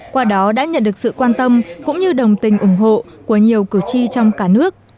qua đó đã nhận được sự quan tâm cũng như đồng tình ủng hộ của nhiều cử tri trong cả nước